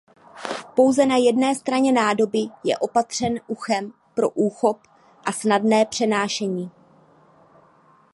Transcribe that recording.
Pouze na jedné straně nádoby je opatřen uchem pro úchop a snadné přenášení.